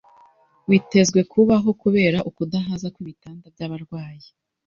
witezwe kubaho kubera ukudahaza kw'ibitanda by'abarwayi.